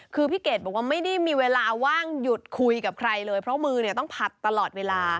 คือพี่เกดบอกว่าไม่ได้มีเวลาว่างหยุดคุยกับใครเลยเพราะมือเนี่ยต้องผัดตลอดเวลา